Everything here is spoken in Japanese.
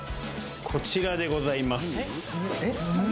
こちらでございますえっ？